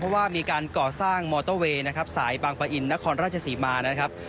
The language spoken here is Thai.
เพราะว่ามีการก่อสร้างมอเตอร์เวย์นะครับสายบางปะอินนครราชศรีมานะครับ